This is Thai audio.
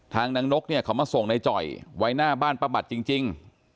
นางนกเนี่ยเขามาส่งในจ่อยไว้หน้าบ้านป้าบัตรจริง